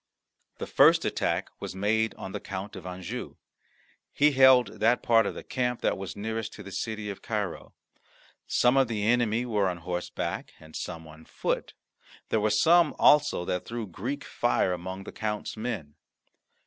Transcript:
The first attack was made on the Count of Anjou. He held that part of the camp that was nearest to the city of Cairo. Some of the enemy were on horseback and some on foot; there were some also that threw Greek fire among the count's men.